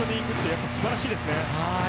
やっぱり素晴らしいです。